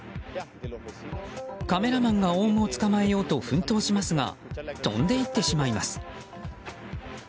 カメラマンがオウムを捕まえようと奮闘しますが飛んで行ってしまいます。